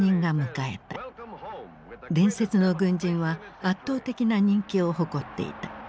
伝説の軍人は圧倒的な人気を誇っていた。